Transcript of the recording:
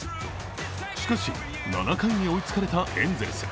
しかし、７回に追いつかれたエンゼルス。